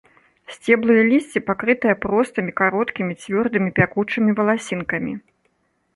Сцеблы і лісце пакрытае простымі, кароткімі, цвёрдымі пякучымі валасінкамі.